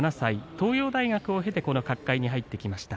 東洋大学を経てこの角界に入ってきました。